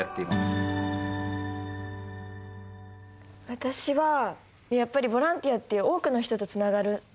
私はやっぱりボランティアって多くの人とつながると思うんです。